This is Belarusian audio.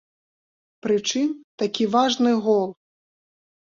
Прычым такі важны гол!